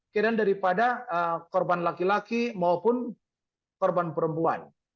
kiran daripada korban laki laki maupun korban perempuan